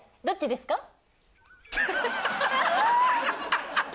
どっちですか？